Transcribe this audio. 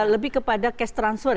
lebih kepada cash transfer